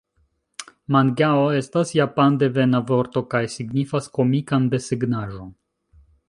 Mangao estas japandevana vorto kaj signifas komikan desegnaĵon.